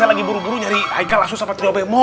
saya lagi buru buru nyari aika lasu sampat trio bemo